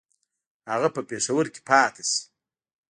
هغه په پېښور کې پاته شي.